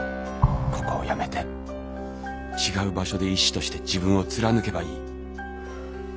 ここを辞めて違う場所で医師として自分を貫けばいい。